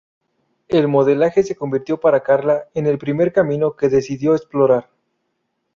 El modelaje se convirtió para Karla en el primer camino que decidió explorar.